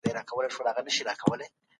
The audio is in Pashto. ما پخوا دا سندرې نه وې اورېدلې.